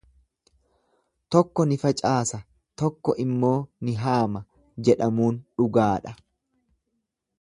Tokko ni facaasa, tokko immoo ni haama jedhamuun dhugaa dha.